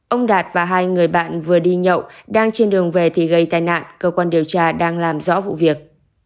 ông đạt và hai người bạn vừa đi nhậu đang trên đường về thì gây tai nạn cơ quan điều tra đang làm rõ vụ việc